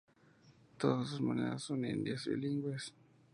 Todas sus monedas son indias bilingües.